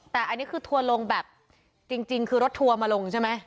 แต่อันนี้คือทัวร์ลงแบบจริงคือรถทัวร์มาลงใช่ไหม